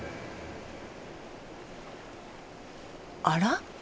あら？